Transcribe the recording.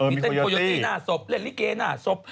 มีเต้นโคโยตี้หน้าศพเล่นลิเกหน้าศพ